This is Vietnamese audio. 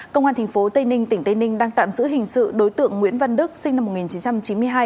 công an tp tây ninh tỉnh tây ninh đang tạm giữ hình sự đối tượng nguyễn văn đức sinh năm một nghìn chín trăm chín mươi hai